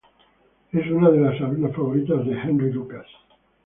Es una de las alumnas favoritas de Henri Lucas.